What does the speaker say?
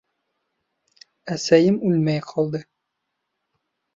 ...Әсәйем үлмәй ҡалды.